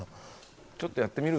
ちょっとやってみる？